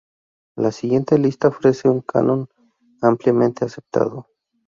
La siguiente lista ofrece un canon ampliamente aceptado.